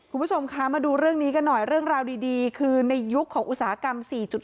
คุณผู้ชมคะมาดูเรื่องนี้กันหน่อยเรื่องราวดีคือในยุคของอุตสาหกรรม๔๗